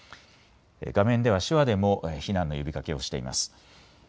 画面では手話でも避難の呼びかけをしています。